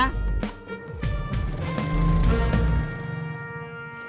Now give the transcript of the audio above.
tunggu sini sebentar ya